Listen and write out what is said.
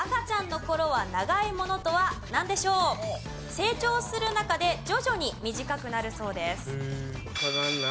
成長する中で徐々に短くなるそうです。